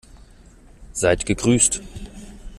Seid gegrüßt!